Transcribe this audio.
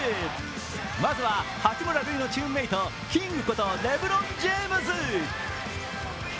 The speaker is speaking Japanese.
まずは八村塁のチームメートキングことレブロン・ジェームズ。